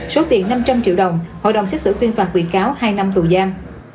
số tiền năm trăm linh triệu đồng hội đồng xét xử tuyên phạt bị cáo hai năm tù giam